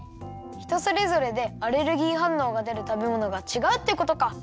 ひとそれぞれでアレルギーはんのうがでるたべものがちがうってことか。